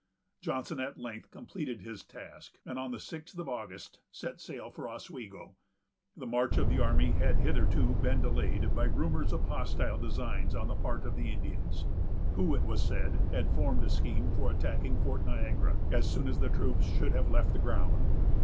Johnson at length completed his task, and, on the sixth of August, set sail for Oswego. The march of the army had hitherto been delayed by rumors of hostile designs on the part of the Indians, who, it was said, had formed a scheme for attacking Fort Niagara, as soon as the troops should have left the ground.